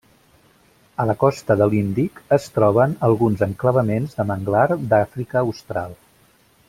A la costa de l'Índic es troben alguns enclavaments de manglar d'Àfrica austral.